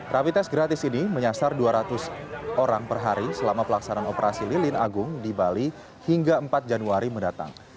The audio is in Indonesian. rapi tes gratis ini menyasar dua ratus orang per hari selama pelaksanaan operasi lilin agung di bali hingga empat januari mendatang